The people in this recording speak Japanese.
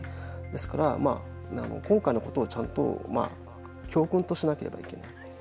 ですから、今回のことをちゃんと教訓としなければいけない。